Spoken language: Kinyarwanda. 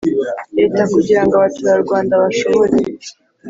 Leta kugira ngo abaturarwanda bashobore